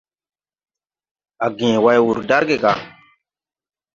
A gęę way wur darge ga.